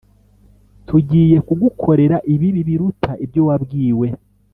tugiye kugukorera ibibi biruta ibyo wabwiwe